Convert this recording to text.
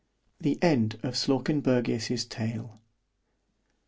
The E N D of Slawkenbergius's TALE.